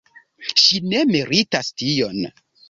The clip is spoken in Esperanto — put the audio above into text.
Ŝi ne meritas tion.